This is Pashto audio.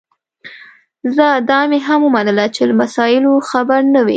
ځه دا مي هم ومنله چي له مسایلو خبر نه وې